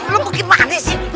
lo bagaimana sih